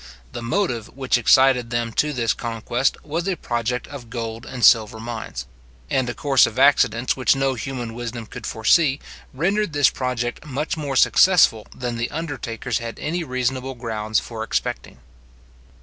The motive which excited them to this conquest was a project of gold and silver mines; and a course of accidents which no human wisdom could foresee, rendered this project much more successful than the undertakers had any reasonable grounds for expecting.